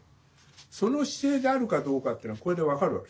その姿勢であるかどうかっていうのはこれで分かるわけ。